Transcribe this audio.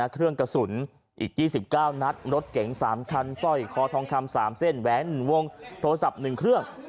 เครื่องกระสุนอีก๒๙นัดรถเก๋ง๓คันสร้อยคอทองคำ๓เส้นแหวนวงโทรศัพท์๑เครื่อง